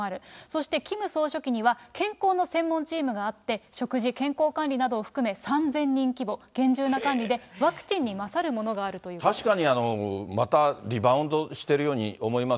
そしてキム総書記には健康の専門チームがあって、食事、健康管理などを含め３０００人規模、厳重な管理で、ワクチンに勝るものがあるということです。